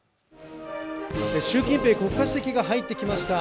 習近平国家主席が入ってきました。